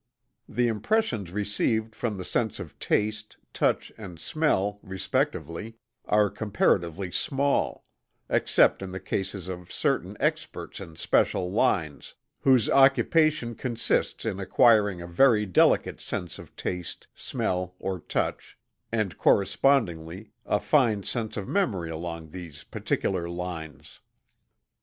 The impressions received from the sense of taste, touch and smell, respectively, are comparatively small, except in the cases of certain experts in special lines, whose occupation consists in acquiring a very delicate sense of taste, smell or touch, and correspondingly a fine sense of memory along these particular lines.